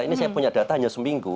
ini saya punya data hanya seminggu